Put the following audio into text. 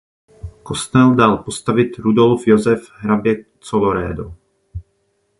Kostel dal postavit Rudolf Josef hrabě Colloredo.